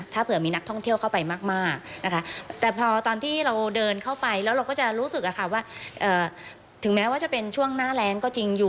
ถึงแม้ว่าจะเป็นช่วงหน้าแหลง